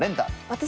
私？